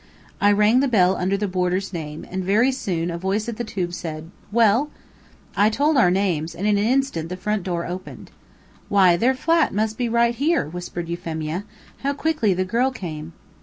I rang the bell under the boarder's name, and very soon a voice at the tube said: "Well?" Then I told our names, and in an instant the front door opened. "Why, their flat must be right here," whispered Euphemia. "How quickly the girl came!"